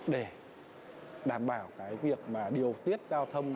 để đảm bảo việc điều tiết giao thông